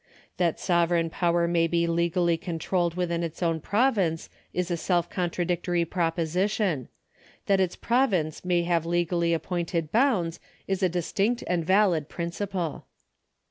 ^ That sovereign power may be legally controlled within its own province is a self contradictory proposition ; that its province may have legally appointed bounds is a distinct and valid principle.